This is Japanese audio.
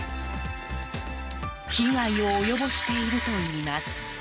被害を及ぼしているといいます。